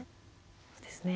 そうですね。